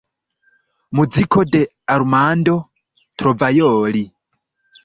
Muziko de Armando Trovajoli.